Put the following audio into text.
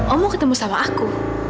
om mau ketemu sama aku